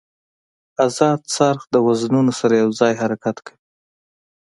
ازاد څرخ د وزنونو سره یو ځای حرکت کوي.